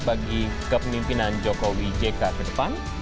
bagi kepemimpinan jokowi jk ke depan